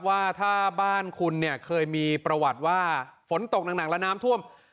ว่าถ้าบ้านคุณเนี่ยเคยมีประวัติว่าฝนตกหนักและน้ำท่วม